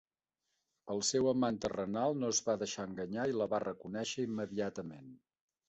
El seu amant terrenal no es va deixar enganyar i la va reconèixer immediatament.